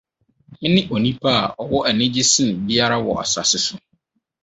Mene onipa a ɔwɔ anigye sen biara wɔ asase so.